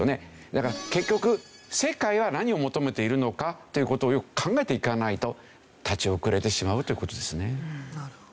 だから結局世界は何を求めているのかという事をよく考えていかないと立ち遅れてしまうという事ですね。